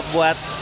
makanan yang enak